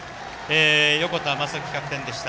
横田優生キャプテンでした。